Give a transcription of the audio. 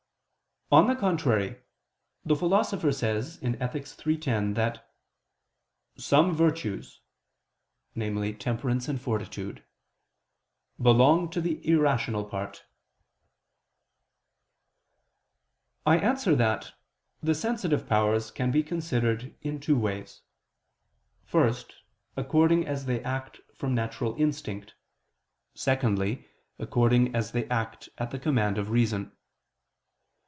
On the contrary, The Philosopher says (Ethic. iii, 10) that "some virtues," namely, temperance and fortitude, "belong to the irrational part." I answer that, The sensitive powers can be considered in two ways: first, according as they act from natural instinct: secondly, according as they act at the command of reason.